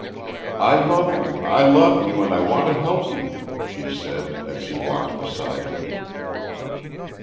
"I love you I love you, and I want to help you," she said, as she walked beside him.